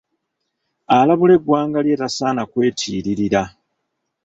Alabula eggwanga lye tasaana kwetiiririra.